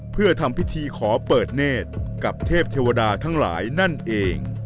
เพื่อทำพิธีขอเปิดเนธกับเทพเทวดาทั้งหลายนั่นเอง